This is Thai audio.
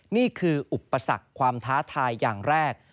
นี่คืออุปสรรคความท้าทายอย่างแรก